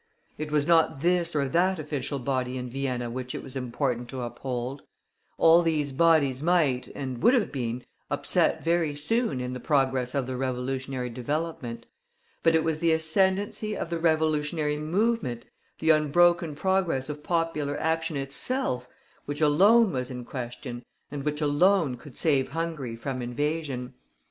It was not this nor that official body in Vienna which it was important to uphold; all these bodies might, and would have been, upset very soon in the progress of the revolutionary development; but it was the ascendancy of the revolutionary movement, the unbroken progress of popular action itself, which alone was in question, and which alone could save Hungary from invasion.